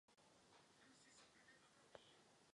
Na mapách je znázorněna černou barvou.